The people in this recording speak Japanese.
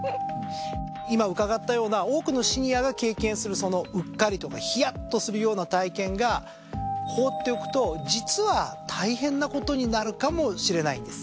今伺ったような多くのシニアが経験するそのうっかりとかヒヤッとするような体験が放っておくと実は大変なことになるかもしれないんです。